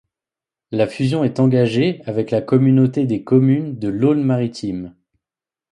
La fusion est engagée avec la communauté des communes de l'Aulne Maritime.